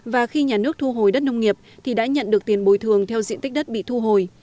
và khi nhà nước thu hồi đất nông nghiệp thì đã nhận được tiền bồi thường theo diện tích đất bị thu hồi